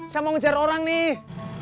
saya mau ngejar orang nih